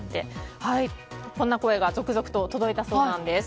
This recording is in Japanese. こんな声が続々と届いたそうなんです。